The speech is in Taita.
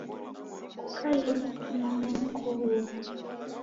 Kukaiye kukimanya niko huw'o.